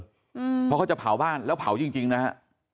เพราะเขาจะเผาบ้านแล้วเผาจริงจริงนะฮะ